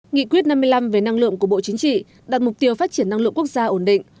nghị quyết năm mươi năm về năng lượng của bộ chính trị đặt mục tiêu phát triển năng lượng quốc gia ổn định